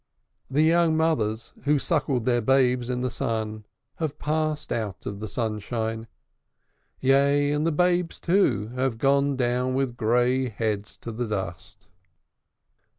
The young mothers, who suckled their babes in the sun, have passed out of the sunshine; yea, and the babes, too, have gone down with gray heads to the dust.